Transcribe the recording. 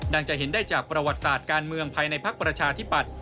จะเห็นได้จากประวัติศาสตร์การเมืองภายในภักดิ์ประชาธิปัตย